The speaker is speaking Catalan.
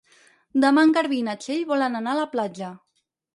Demà en Garbí i na Txell volen anar a la platja.